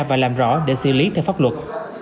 và làm rõ để xử lý theo pháp luật